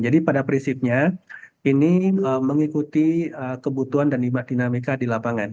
jadi pada prinsipnya ini mengikuti kebutuhan dan imah dinamika di lapangan